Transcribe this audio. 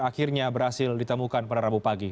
akhirnya berhasil ditemukan pada rabu pagi